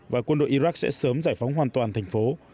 và quân đội iraq sẽ sớm giải phóng hoàn toàn thành phố